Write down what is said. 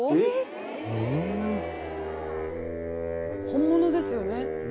本物ですよね。